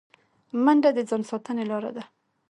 منډه د ځان ساتنې لاره ده